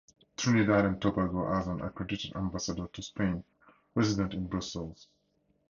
Trinidad and Tobago has an accredited Ambassador to Spain (resident in Brussels).